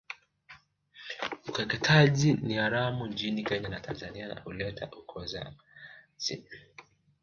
Ukeketaji ni haramu nchini Kenya na Tanzania na huleta ukosoaji